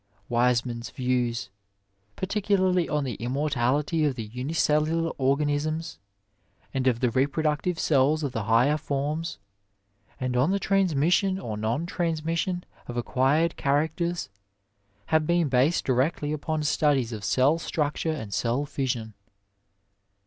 Weismann's views, particularly on the immortality of the unicellular organisms, and of the reproductive cells of the higher forms, and on the transmission or non transmission of acquired characters, have been based directly upon studies of cell structure and cell fission.